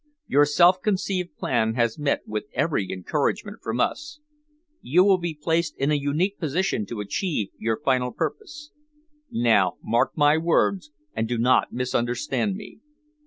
Your self conceived plan has met with every encouragement from us. You will be placed in a unique position to achieve your final purpose. Now mark my words and do not misunderstand me.